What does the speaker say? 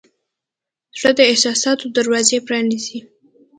زړه د احساساتو دروازې پرانیزي.